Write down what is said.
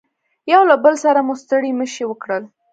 یو له بل سره مو ستړي مشي وکړل.